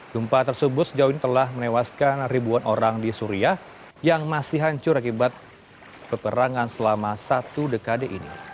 gempa tersebut sejauh ini telah menewaskan ribuan orang di suriah yang masih hancur akibat peperangan selama satu dekade ini